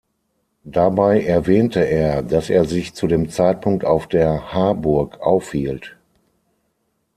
Dabei erwähnte er, dass er sich zu dem Zeitpunkt auf der Harburg aufhielt.